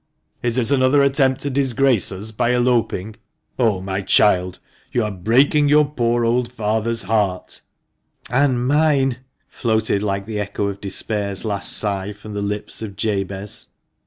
"Is this another attempt to disgrace us by eloping? Oh, my child, my child, you are breaking your poor old father's heart!" "And mine!" floated like the echo of despair's last sigh from the lips of Jabez.